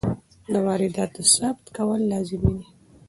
د وارداتو ثبت کول لازمي دي.